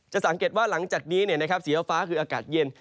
สังเกตว่าหลังจากนี้สีฟ้าคืออากาศเย็น